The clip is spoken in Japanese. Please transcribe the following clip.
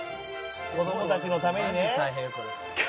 「子どもたちのためにね」